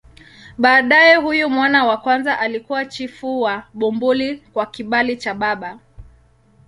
Baadaye huyu mwana wa kwanza alikuwa chifu wa Bumbuli kwa kibali cha baba.